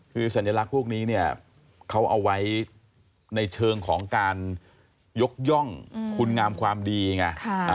คือสัญลักษณ์พวกนี้เนี่ยเขาเอาไว้ในเชิงของการยกย่องคุณงามความดีไง